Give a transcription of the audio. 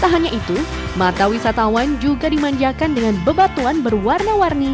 tak hanya itu mata wisatawan juga dimanjakan dengan bebatuan berwarna warni